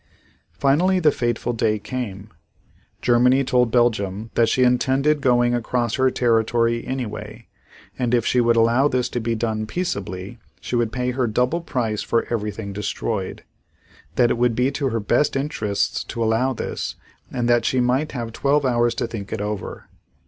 Finally the fateful day came. Germany told Belgium that she intended going across her territory anyway and if she would allow this to be done peaceably she would pay her double price for everything destroyed; that it would be to her best interests to allow this and that she might have twelve hours to think it over.